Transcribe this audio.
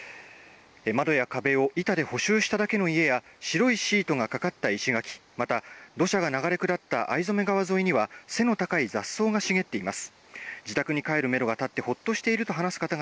窓や壁を板で補修しただけの家や白いシートがかかった石垣また、土砂が流れ下ったあいぞめ川沿いには背の高い雑草が茂っています。